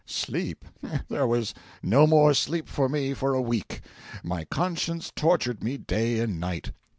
Sleep! There was no more sleep for me for a week. My conscience tortured me day and night.